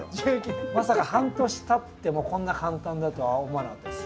まさか半年たってもこんな簡単だとは思わなかったです。